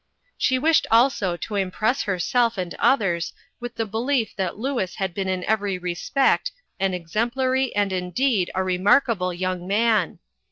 She wished also to impress herself and others with the belief that Louis had been in every respect an exemplary, and, indeed, a remarkable young man.